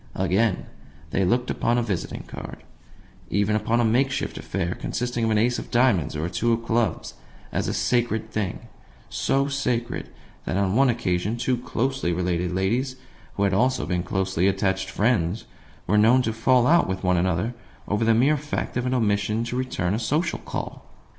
Again, they looked upon a visiting card even upon a make shift affair consisting of an ace of diamonds or a two of clubs as a sacred thing; so sacred that on one occasion two closely related ladies who had also been closely attached friends were known to fall out with one another over the mere fact of an omission to return a social call!